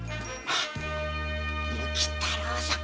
雪太郎さん。